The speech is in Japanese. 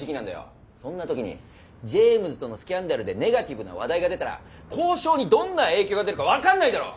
そんな時にジェームズとのスキャンダルでネガティブな話題が出たら交渉にどんな影響が出るか分かんないだろう！